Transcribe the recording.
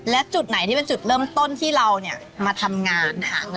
และจุดไหนที่เป็นจุดเริ่มต้นที่เรามาทำงานค่ะ